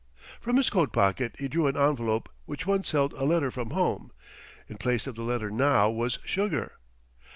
From his coat pocket he drew an envelope which once held a letter from home in place of the letter now was sugar.